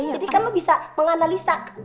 jadi kan lo bisa menganalisa